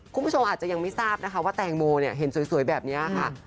คุณผู้ชมอาจจะยังไม่ทราบนะคะว่าแตงโมเนี่ยเห็นสวยแบบนี้ค่ะ